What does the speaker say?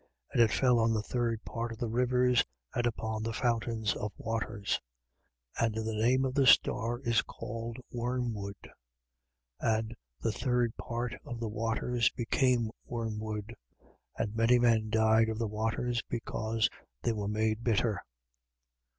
And it fell on the third part of the rivers and upon the fountains of waters: 8:11. And the name of the star is called Wormwood. And the third part of the waters became wormwood. And many men died of the waters, because they were made bitter.